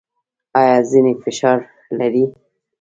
ایا ذهني فشار لرئ؟